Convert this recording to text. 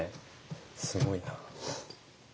すごいな。